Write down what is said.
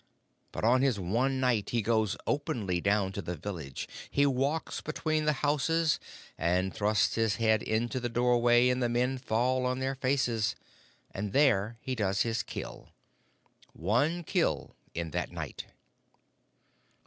But on his one Night he goes openly down to the village. He walks between the houses and thrusts his head into the doorway, and the men fall on their faces and there he does his kill. One kill in that Night."